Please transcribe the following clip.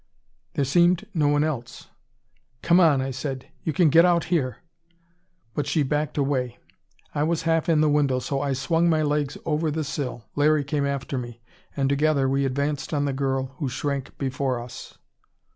There seemed no one else. "Come on," I said. "You can get out here." But she backed away. I was half in the window so I swung my legs over the sill. Larry came after me, and together we advanced on the girl, who shrank before us.